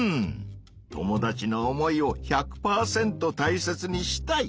友達の思いを１００％たいせつにしたい。